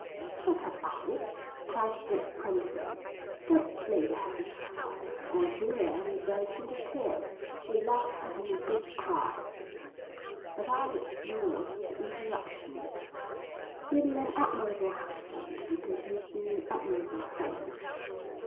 'Shut up, Alec,' cried Dick promptly. 'Don't play the heavy father, or Julia will burst into tears. She loves having a good cry.' But Alec ignored the interruption. 'He'll be an admirable husband because he's been an admirable friend.'